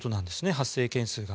発生件数が。